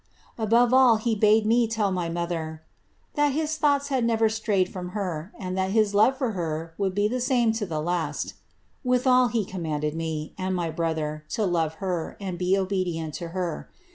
Above all, he bade me tell my mother, < that his thought never strayed from her, and that his love for her would be the en the last ;' withal, he commanded me (and my brother) to love her be obedient to her.